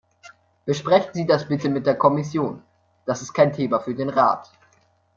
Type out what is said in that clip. Besprechen Sie das bitte mit der Kommission, das ist kein Thema für den Rat.